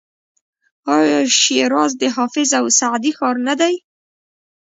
آیا شیراز د حافظ او سعدي ښار نه دی؟